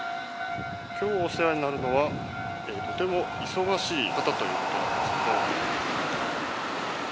今日お世話になるのはとても忙しい方ということなんですけど。